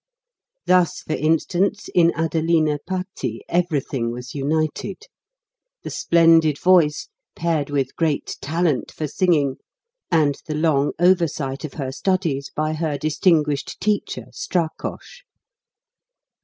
Thus, for instance, in Adelina Patti everything was united, the splendid voice, paired with great talent for singing, and the long oversight of her studies by her distin guished teacher, Strakosch.